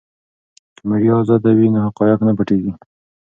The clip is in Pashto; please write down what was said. که میډیا ازاده وي نو حقایق نه پټیږي.